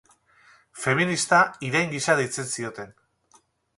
Feminista irain gisa deitzen zioten.